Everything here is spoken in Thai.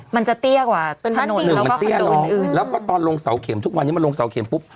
มันจะเตี้ยกว่าถนนหนึ่งมันเตี้ยน้องแล้วก็ตอนลงเสาเข็มทุกวันนี้มันลงเสาเข็มปุ๊บ